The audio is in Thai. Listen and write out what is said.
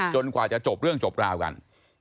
กว่าจะจบเรื่องจบราวกัน